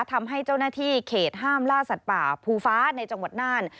ทำให้เจ้าหน้าที่เขตห้ามล่าสัตว์ป่าภูฟ้าในจังหวัดน่าน